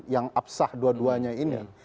yang apsah dua duanya ini